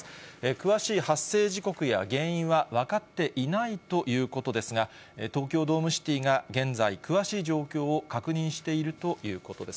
詳しい発生時刻や、原因は分かっていないということですが、東京ドームシティが現在、詳しい状況を確認しているということです。